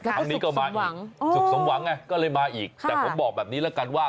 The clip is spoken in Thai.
ครั้งนี้ก็มาอีกสุขสมหวังไงก็เลยมาอีกแต่ผมบอกแบบนี้แล้วกันว่า